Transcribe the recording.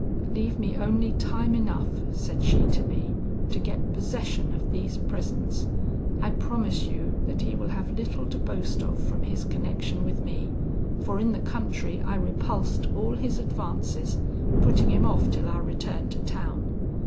'Leave me only time enough,' said she to me, to get possession of these presents; I promise you that he will have little to boast of from his connection with me, for in the country I repulsed all his advances, putting him off till our return to town.